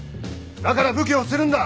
だから武器を捨てるんだ。